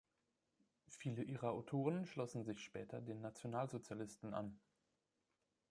Viele ihrer Autoren schlossen sich später den Nationalsozialisten an.